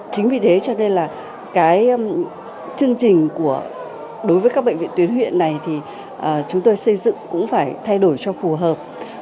chính vì thế cho nên là cái chương trình đối với các bệnh viện tuyến huyện này thì chúng tôi xây dựng cũng phải thay đổi cho phù hợp